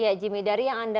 ya jimmy dari yang anda